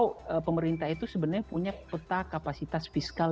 padahal kalau kita tahu pemerintah itu sebenarnya punya peta kapasitas fiskalnya